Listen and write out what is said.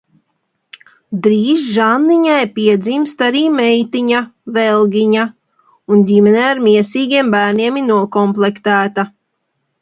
Drīz Žanniņai piedzimst arī meitiņa Velgiņa, un ģimene ar miesīgiem bērniem ir nokomplektēta.